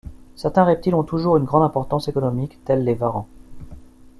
Certains reptiles ont toujours une grande importance économique, tels les varans.